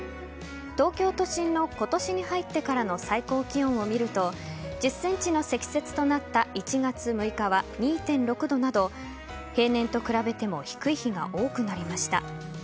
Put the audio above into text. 東京都心の今年に入ってからの最高気温を見ると１０ｃｍの積雪となった１月６日は２．６度など平年と比べても低い日が多くなりました。